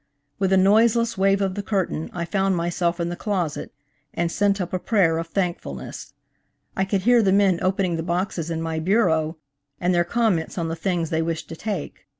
With a noiseless wave of the curtain I found myself in the closet, and sent up a prayer of thankfulless. I could hear the men opening the boxes in my bureau, and their comments on the things they wished to take.